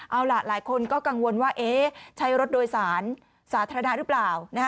เอาล่ะหลายคนก็กังวลว่าใช้รถโดยสารสาธารณะหรือเปล่า